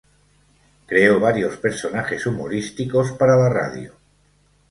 Creó varios personajes humorísticos para la radio.